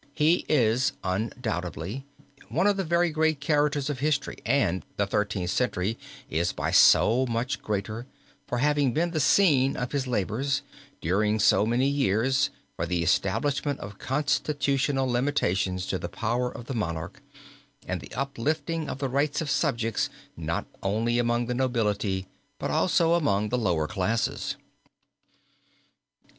He is undoubtedly one of the very great characters of history and the Thirteenth Century is by so much greater for having been the scene of his labors, during so many years, for the establishment of constitutional limitations to the power of the monarch, and the uplifting of the rights of subjects not only among the nobility, but also among the lower classes.